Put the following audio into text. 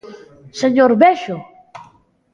¡Señor Bexo!